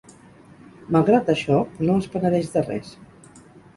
Malgrat això, no es penedeix de res.